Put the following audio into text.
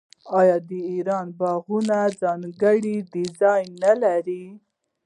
آیا د ایران باغونه ځانګړی ډیزاین نلري؟